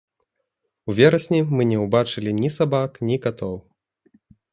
У верасні мы не ўбачылі ні сабак, ні катоў.